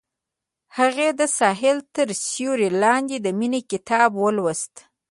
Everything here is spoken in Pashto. هغې د ساحل تر سیوري لاندې د مینې کتاب ولوست.